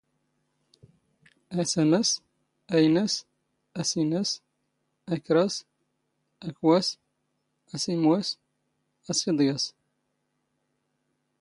ⴰⵙⴰⵎⴰⵙ, ⴰⵢⵏⴰⵙ, ⴰⵙⵉⵏⴰⵙ, ⴰⴽⵕⴰⵙ, ⴰⴽⵡⴰⵙ, ⴰⵙⵉⵎⵡⴰⵙ, ⴰⵙⵉⴹⵢⴰⵙ